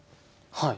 はい。